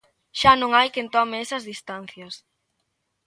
Xa non hai quen tome esas distancias.